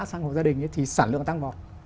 sang hộ gia đình thì sản lượng tăng bọc